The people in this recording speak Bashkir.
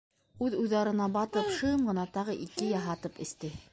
Үҙ уйҙарына батып, шым ғына тағы ике яһатып эсте.